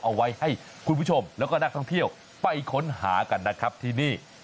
เอาไว้ให้คุณผู้ชมแล้วก็นักท่องเที่ยวไปค้นหากันนะครับที่นี่